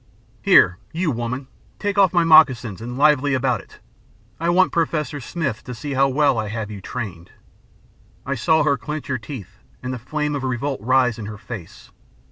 Here, you, woman, take off my moccasins, and lively about it. I want Professor Smith to see how well I have you trained.' "I saw her clench her teeth, and the flame of revolt rise in her face.